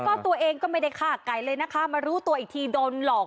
ก็ตัวเองก็ไม่ได้ฆ่าไก่เลยนะคะมารู้ตัวอีกทีโดนหลอก